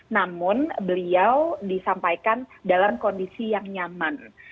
namun beliau disampaikan dalam kondisi yang nyaman